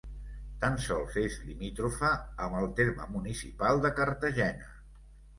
Tan sols és limítrofa amb el terme municipal de Cartagena.